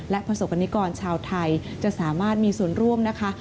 และพฤษภนิกรชาวไทยจะสามารถมีส่วนร่วมนะคะ